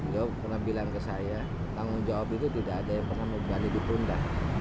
dia pernah bilang ke saya tanggung jawab itu tidak ada yang pernah mubalik ditunda